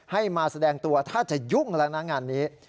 ให้มาแสดงตัวถ้าจะยุ่งหลังงานนี้